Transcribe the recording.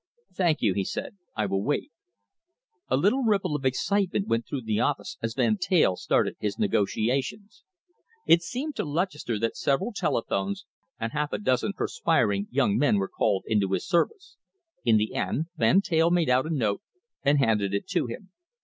"Thank you," he said, "I will wait." A little ripple of excitement went through the office as Van Teyl started his negotiations. It seemed to Lutchester that several telephones and half a dozen perspiring young men were called into his service. In the end Van Teyl made out a note and handed it to him.